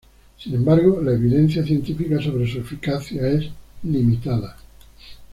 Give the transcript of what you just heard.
Sin embargo, la evidencia científica sobre su eficacia es limitada.